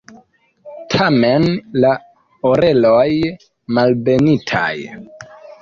Tamen la oreloj malbenitaj.